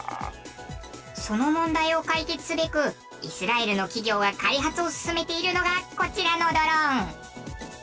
その問題を解決すべくイスラエルの企業が開発を進めているのがこちらのドローン。